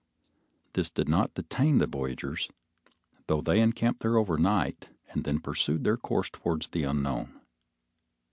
This did not detain the voyagers, though they encamped there over night, and then pursued their course towards the unknown.